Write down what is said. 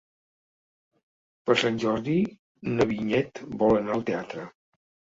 Per Sant Jordi na Vinyet vol anar al teatre.